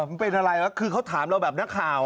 มันเป็นอะไรวะคือเขาถามเราแบบนักข่าว